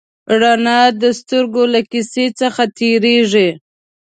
رڼا د سترګو له کسي څخه تېرېږي.